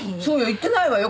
言ってないわよ。